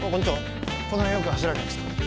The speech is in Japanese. この辺よく走られてますか？